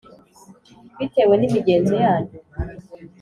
bitewe n imigenzo yanyu